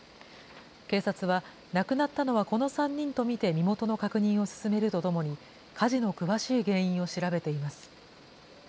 警察は、亡くなったのはこの３人と見て、身元の確認を進めるとともに、火事の詳しい原因を調べています。